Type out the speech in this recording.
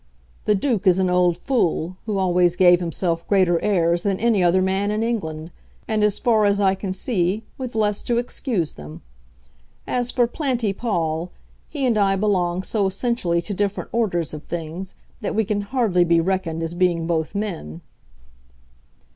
"The Duke is an old fool, who always gave himself greater airs than any other man in England, and as far as I can see, with less to excuse them. As for Planty Pall, he and I belong so essentially to different orders of things, that we can hardly be reckoned as being both men."